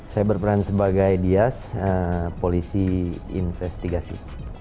saya berperan sebagai dias polisi investigasi